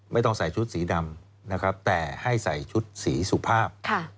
ไม่ต้องใส่ชุดสีดำนะครับแต่ให้ใส่ชุดสีสุภาพ